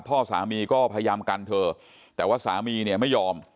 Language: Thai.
พ่อสามีก็พยายามกันเธอแต่ว่าสามีเนี่ยไม่ยอม